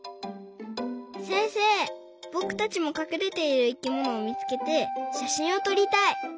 せんせいぼくたちもかくれている生きものをみつけてしゃしんをとりたい。